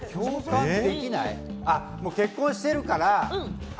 もう結婚しているから？